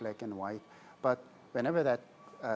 namun setiap saat itu